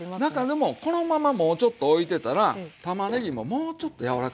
でもこのままもうちょっとおいてたらたまねぎももうちょっと柔らかくなる。